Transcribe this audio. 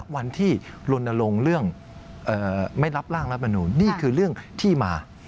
วันที่ลนลงเรื่องไม่รับร่างรัฐมนูลนี่คือเรื่องที่มา